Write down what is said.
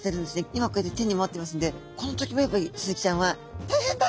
今こうやって手に持っていますんでこの時もやっぱりスズキちゃんは「大変だ！